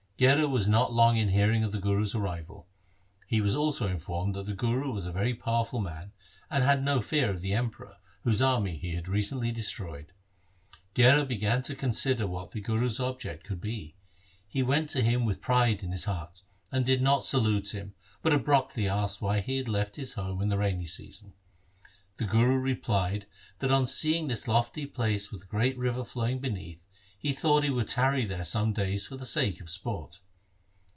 Gherar was not long in hearing of the Guru's arrival. He was also informed that the Guru was a very power ful man, and had no fear of the Emperor, whose army he had recently destroyed. Gherar began to consider what the Guru's object could be. He went to him with pride in his heart, and did not salute him, but abruptly asked why he had left his home in the rainy season. The Guru replied, that on seeing this lofty place with the great river flowing beneath, he thought he would tarry there some days for the sake of sport.